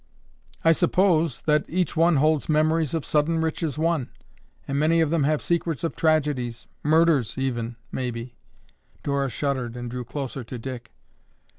"I suppose that each one holds memories of sudden riches won, and many of them have secrets of tragedies,—murders even, maybe." Dora shuddered and drew closer to Dick.